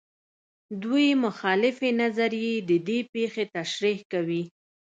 دوې مخالفې نظریې د دې پېښو تشریح کوي.